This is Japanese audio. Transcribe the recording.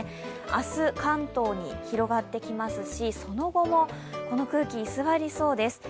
明日、関東に広がってきますし、その後もこの空気、居座りそうです。